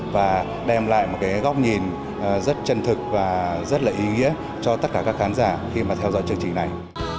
và đem lại một cái góc nhìn rất chân thực và rất là ý nghĩa cho tất cả các khán giả khi mà theo dõi chương trình này